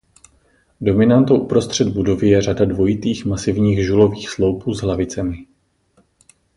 Dominantou uprostřed budovy je řada dvojitých masivních žulových sloupů s hlavicemi.